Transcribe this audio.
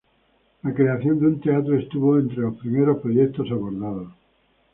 La creación de un teatro estuvo entre los primeros proyectos abordados.